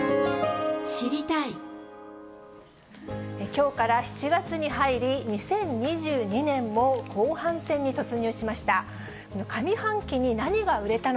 きょうから７月に入り、２０２２年も後半戦に突入しました。